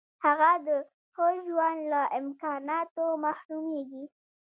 هغه د ښه ژوند له امکاناتو محرومیږي.